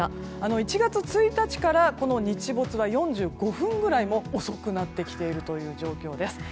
１月１日から日没が４５分ほど遅くなってきている状況です。